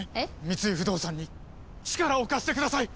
三井不動産に力を貸してください！